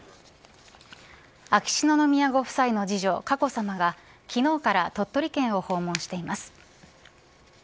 秋篠宮ご夫妻の次女、佳子さまが昨日から鳥取県を訪問しています。